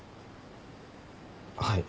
はい。